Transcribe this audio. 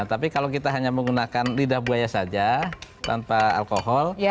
tapi kalau kita hanya menggunakan lidah buaya saja tanpa alkohol